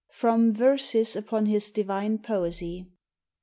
PROM "VERSES UPON HIS DIVINE POESY."